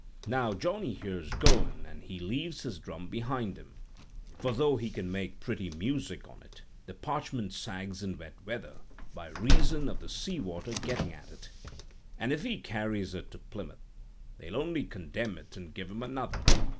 Now Johnny here's goin', and he leaves his drum behind him; for, though he can make pretty music on it, the parchment sags in wet weather, by reason of the sea water getting at it; an' if he carries it to Plymouth, they'll only condemn it and give him another.